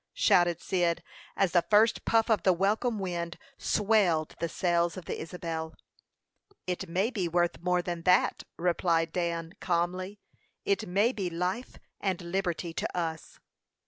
shouted Cyd, as the first puff of the welcome wind swelled the sails of the Isabel. "It may be worth more than that," replied Dan calmly. "It may be life and liberty to us."